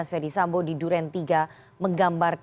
kemudian anda semua ditolak oleh penyidik